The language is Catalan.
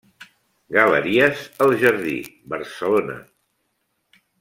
Galeries El Jardí, Barcelona.